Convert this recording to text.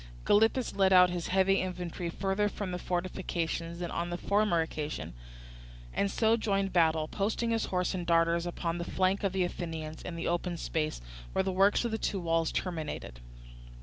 Gylippus led out his heavy infantry further from the fortifications than on the former occasion, and so joined battle; posting his horse and darters upon the flank of the Athenians in the open space, where the works of the two walls terminated.